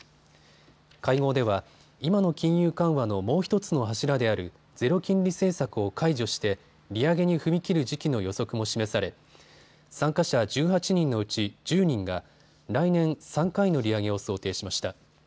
会合では今の金融緩和のもう１つの柱であるゼロ金利政策を解除して利上げに踏み切る時期の予測も示され参加者１８人のうち１０人が来年、３回の利上げを想定しました。